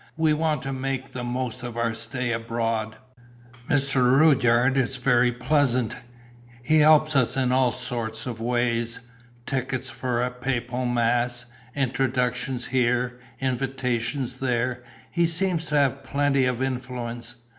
We want to make the most of our stay abroad. Mr. Rudyard is very pleasant. He helps us in all sorts of ways: tickets for a papal mass, introductions here, invitations there. He seems to have plenty of influence.